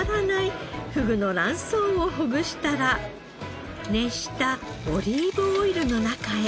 ふぐの卵巣をほぐしたら熱したオリーブオイルの中へ。